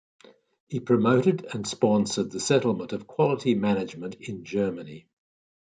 He promoted and sponsored the settlement of quality management in Germany.